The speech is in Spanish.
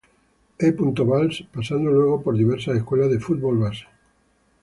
E. Valls, pasando luego por diversas escuelas de fútbol base.